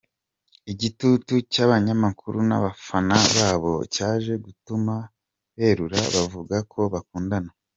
Igitutu cy’abanyamakuru n’abafana babo cyaje gutuma berura bavuga ko bakundana.